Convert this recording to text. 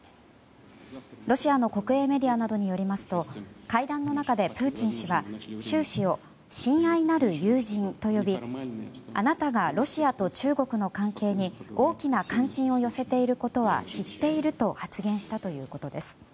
ロシアの国営メディアなどによりますと会談の中でプーチン氏は習氏を、親愛なる友人と呼びあなたがロシアと中国の関係に大きな関心を寄せていることは知っていると発言したということです。